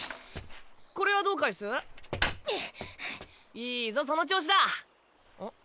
いいぞその調子だん？